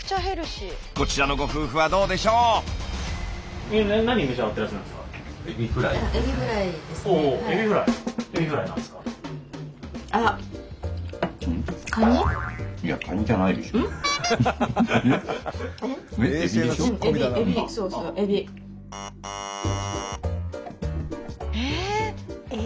こちらのご夫婦はどうでしょう？ええ？